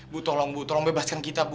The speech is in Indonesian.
bu tolong bu tolong bebaskan kita bu